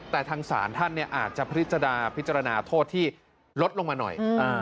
แต่ทางศาลท่านอาจจะพิจารณาพิจารณาโทษที่ลดลงมาหน่อย